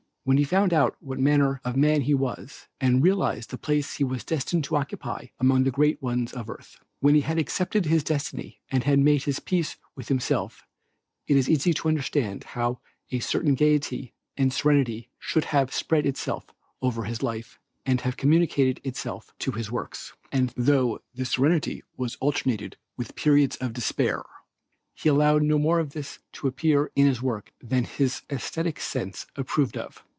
When he found out what manner of man he was and realized the place he was destined to occupy among the great ones of earth; when he had accepted his destiny and had made his peace with himself it is easy to understand how a certain gayety and serenity should have spread itself over his life and have communicated itself to his works; and though this serenity was alternated by periods of despair, he allowed no more of this to appear in his work than his esthetic sense approved of.